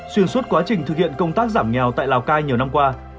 xuyên suốt quá trình thực hiện công tác giảm nghèo tại lào cai nhiều năm qua